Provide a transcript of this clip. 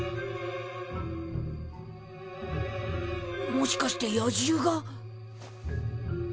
もしかして野獣が？